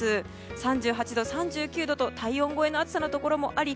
３８度、３９度と体温超えの暑さのところもあり